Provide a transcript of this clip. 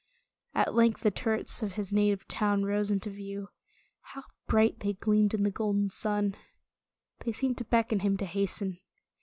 At length the turrets of his native town rose into view. How bright they gleamed in the golden sun. They seemed to beckon him to hasten.